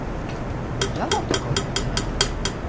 嫌だとかは言ってないけど。